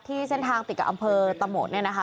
ที่เส้นทางติกกับอำเภอตะโมดนะคะ